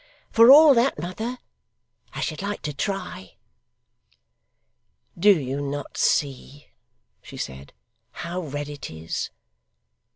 'For all that, mother, I should like to try.' 'Do you not see,' she said, 'how red it is?